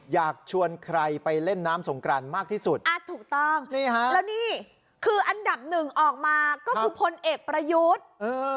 อยากชวนใครไปเล่นน้ำสงกรานมากที่สุดอ่าถูกต้องนี่ฮะแล้วนี่คืออันดับหนึ่งออกมาก็คือพลเอกประยุทธ์